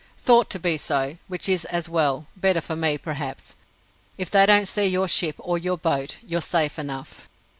"Thought to be so, which is as well better for me, perhaps. If they don't see your ship, or your boat, you're safe enough."